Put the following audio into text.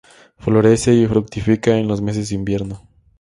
Florece y fructifica en los meses de invierno.